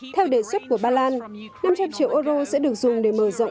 theo đề xuất của ba lan năm trăm linh triệu euro sẽ được dùng để mở rộng